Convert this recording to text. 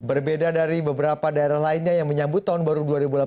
berbeda dari beberapa daerah lainnya yang menyambut tahun baru dua ribu delapan belas